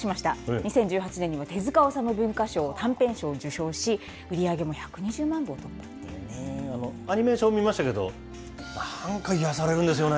２０１８年には手塚治虫文化賞・短編賞を受賞し、売り上げも１２アニメーション見ましたけど、なんか癒やされるんですよね、